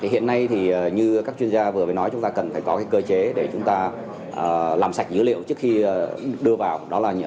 hiện nay thì như các chuyên gia vừa mới nói chúng ta cần phải có cái cơ chế để chúng ta làm sạch dữ liệu trước khi đưa vào